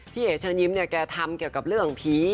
เอ๋เชิญยิ้มเนี่ยแกทำเกี่ยวกับเรื่องผี